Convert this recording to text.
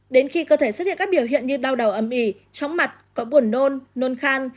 đến khi cơ thể xuất hiện các biểu hiện như đau đầu ẩm ỉ chóng mặt có buồn nôn nôn khan